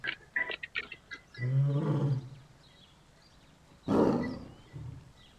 但是肚子咕噜咕噜叫